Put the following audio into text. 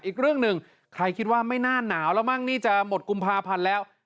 อีกเรื่องหนึ่งใครคิดว่าไม่น่าหนาวแล้วมั้งนี่จะหมดกุมภาพันธ์แล้ว